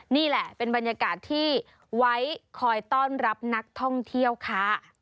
นี่แหละเป็นบรรยากาศที่ไว้คอยต้อนรับนักท่องเที่ยวค่ะ